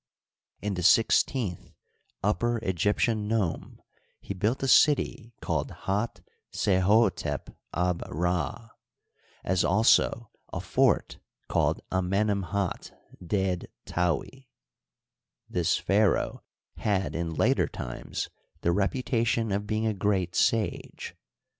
In the sixteenth Upper Egyptian nome he built a city called Hdt'Sehdtep ab'Rd, 52 HISTORY OF EGYPT, as also a fort called Amenemhdt Ded'Taui, This pha ^ raoh had in later times the reputation of being a great sage.